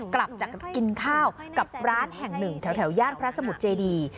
กลับจากกินข้าวกับร้านแห่งหนึ่งแถวย่านพระสมุทรเจดี